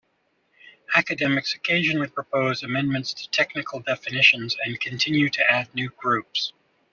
Academics occasionally propose amendments to technical definitions and continue to add new groups.